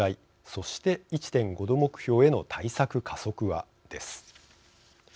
そして１．５℃目標への対策加速はです。